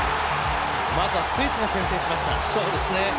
まずはスイスが先制しました。